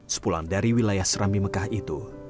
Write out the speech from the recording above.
sepulang dari wilayah serami mekah itu